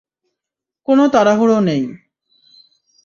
কোনও তাড়াহুড়ো নেই।